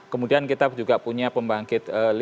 kemudian kita juga punya pembangkit list tenaga bayu